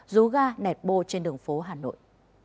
rú ga nẹt bô trên đường phố hà nội